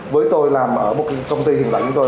với tôi làm ở một công ty hiện tại của tôi